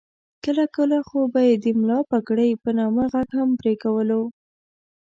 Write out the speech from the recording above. کله کله خو به یې د ملا پګړۍ په نامه غږ هم پرې کولو.